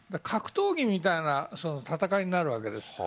格闘技みたいな戦いになるわけです。